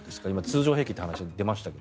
通常戦力という話が出ましたが。